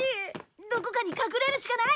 どこかに隠れるしかない。